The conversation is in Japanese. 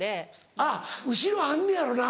あっ後ろあんねやろな。